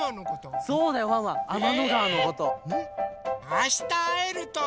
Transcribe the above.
あしたあえるといいね。